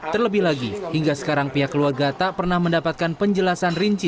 terlebih lagi hingga sekarang pihak keluarga tak pernah mendapatkan penjelasan rinci